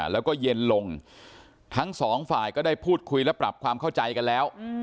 แล้วก็เย็นลงทั้งสองฝ่ายก็ได้พูดคุยและปรับความเข้าใจกันแล้ว